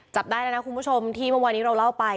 จับได้แล้วนะคุณผู้ชมที่เมื่อวานี้เราเล่าไป